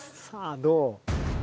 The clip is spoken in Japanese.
さあどう？